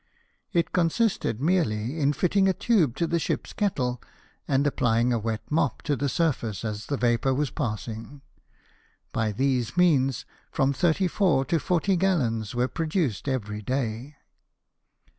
It consisted merely in fitting a tube to the ship's kettle, and applying a wet mop to the surface as the vapour was passing. By these means, from thirty four to forty gallons were produced every day.